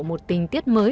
một tình tiết mới